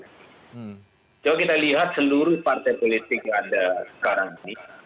coba kita lihat seluruh partai politik yang ada sekarang ini